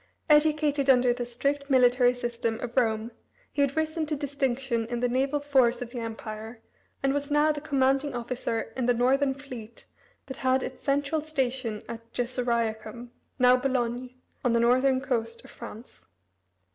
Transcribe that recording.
Educated under the strict military system of Rome, he had risen to distinction in the naval force of the Empire, and was now the commanding officer in the northern fleet that had its central station at Gessoriacum, now Boulogne, on the northern coast of France.